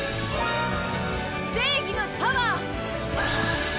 正義のパワー！